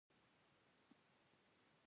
د غزني په ده یک کې د مسو نښې شته.